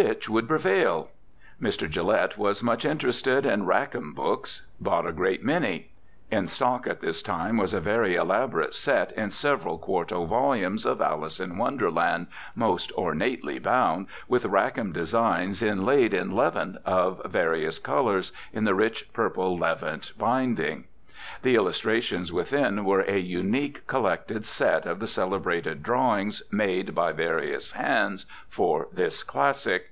Which would prevail? Mr. Gillette was much interested in Rackham books. Bought a great many. In stock at this time was a very elaborate set in several quarto volumes of "Alice in Wonderland," most ornately bound, with Rackham designs inlaid in levant of various colours in the rich purple levant binding. The illustrations within were a unique, collected set of the celebrated drawings made by various hands for this classic.